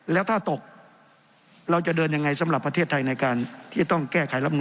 แล้วถ้าตกเราจะเดินยังไงสำหรับประเทศไทยในการที่จะต้องแก้ไขรับนู